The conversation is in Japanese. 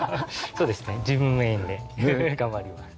そうですね自分メインで頑張ります。